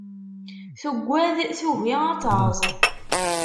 Tuggad tugi ad taẓ.